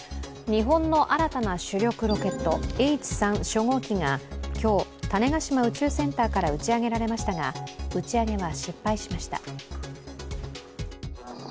日本の新たな主力ロケットＨ３初号機が今日、種子島宇宙センターから打ち上げられましたが、打ち上げは失敗しました。